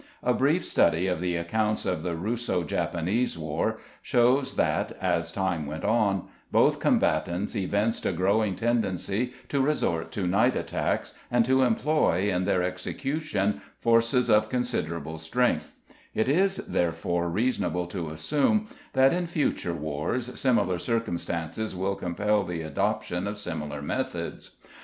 A brief study of the accounts of the Russo Japanese War shows that, as time went on, both combatants evinced a growing tendency to resort to night attacks, and to employ in their execution forces of considerable strength; it is, therefore, reasonable to assume that in future wars similar circumstances will compel the adoption of similar methods.